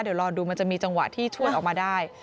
เดี๋ยวรอดูมันจะมีจังหวะที่ช่วยออกมาได้